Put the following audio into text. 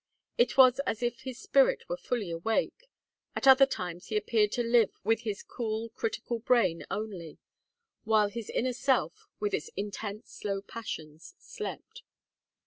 It was as if his spirit were fully awake; at other times he appeared to live with his cool critical brain only, while his inner self, with its intense slow passions, slept.